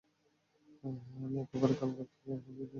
হ্যাঁ, আমি একবার কালো থকথকে এক এলিয়েনের সাথে লড়েছিলাম।